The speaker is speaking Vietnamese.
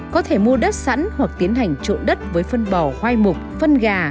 có thể mua đất sẵn hoặc tiến hành trộn đất với phân bò khoai mục phân gà